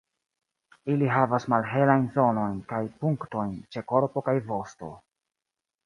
Ili havas malhelajn zonojn kaj punktojn ĉe korpo kaj vosto.